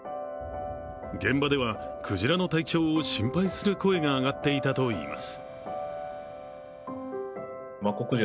現場では、鯨の体調を心配する声が上がっていたといいます。